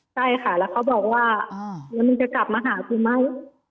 ใช่ค่ะแล้วเขาบอกว่าเดี๋ยวมึงจะกลับมาหากูไหม